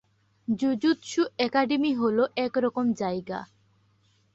Jujutsu academy হলো এরকম জায়গা!